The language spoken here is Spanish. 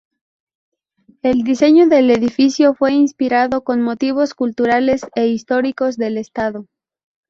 El diseño del edificio fue inspirado con motivos culturales e históricos del estado.